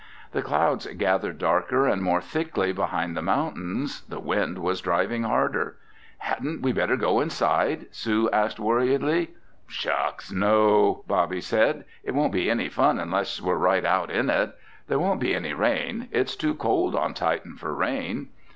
The clouds gathered darker and more thickly behind the mountains. The wind was driving harder. "Hadn't we better go inside?" Sue asked, worriedly. "Shucks, no!" Bobby said. "It won't be any fun unless we're right out in it! There won't be any rain. It's too cold on Titan for rain."